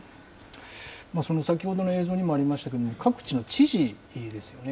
先ほどの映像にもありましたけれども、各地の知事ですよね。